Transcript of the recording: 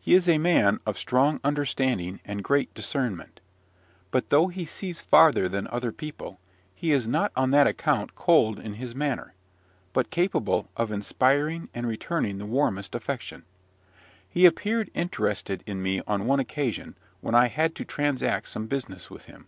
He is a man of strong understanding and great discernment; but, though he sees farther than other people, he is not on that account cold in his manner, but capable of inspiring and returning the warmest affection. He appeared interested in me on one occasion, when I had to transact some business with him.